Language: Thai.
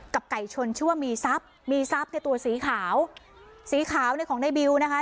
ไก่ชนชื่อว่ามีทรัพย์มีทรัพย์ในตัวสีขาวสีขาวเนี่ยของในบิวนะคะ